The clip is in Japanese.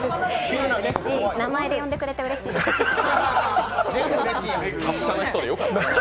名前で呼んでくれて、めっちゃうれしいです。